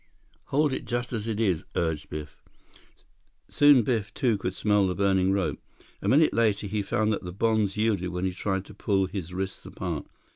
"Hold it just as it is," urged Biff. Soon Biff, too, could smell the burning rope. A minute later, he found that the bonds yielded when he tried to pull his wrists apart.